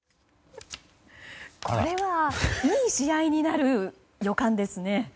これはいい試合になる予感ですね。